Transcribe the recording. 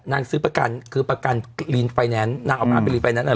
นางซื้อประกันคือประกันลีนไฟแนนซ์นางเอามาเป็นลีนไฟแนนซ์อ่ะ